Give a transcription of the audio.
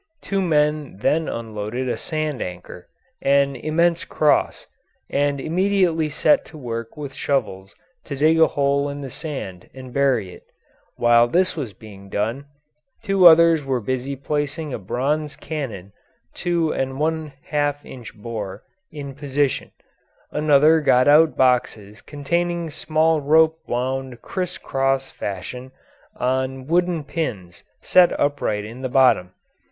Two men then unloaded a sand anchor an immense cross and immediately set to work with shovels to dig a hole in the sand and bury it. While this was being done two others were busy placing a bronze cannon (two and one half inch bore) in position; another got out boxes containing small rope wound criss cross fashion on wooden pins set upright in the bottom.